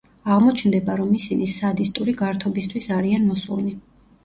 აღმოჩნდება, რომ ისინი სადისტური გართობისთვის არიან მოსულნი.